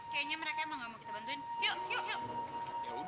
kayanya mereka emang gak mau kita bantuin